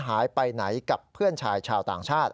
หายไปไหนกับเพื่อนชายชาวต่างชาติ